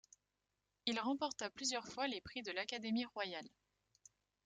Il remporta plusieurs fois les prix de l’Académie Royale.